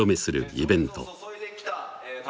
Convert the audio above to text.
イベント